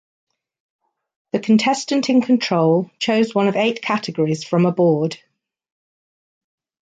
The contestant in control chose one of eight categories from a board.